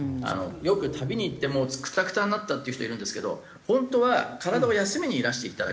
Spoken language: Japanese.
よく旅に行ってもうクタクタになったっていう人いるんですけど本当は体を休めにいらしていただきたいんですね。